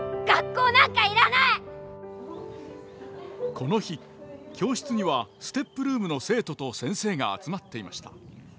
この日教室にはＳＴＥＰルームの生徒と先生が集まっていました。